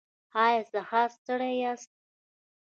ایا سهار ستړي یاست؟